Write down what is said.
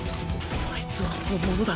あいつは本物だ。